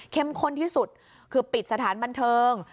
ข้นที่สุดคือปิดสถานบันเทิง